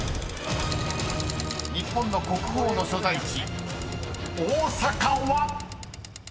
［日本の国宝の所在地大阪は⁉］